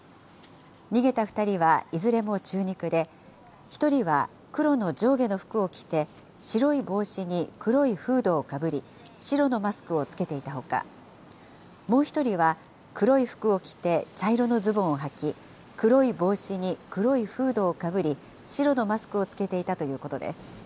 逃げた２人はいずれも中肉で、１人は黒の上下の服を着て白い帽子に黒いフードをかぶり、白のマスクを着けていたほか、もう１人は黒い服を着て、茶色のズボンをはき、黒い帽子に黒いフードをかぶり、白のマスクを着けていたということです。